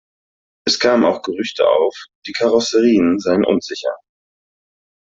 Es kamen auch Gerüchte auf, die Karosserien seien unsicher.